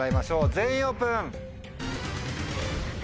全員オープン。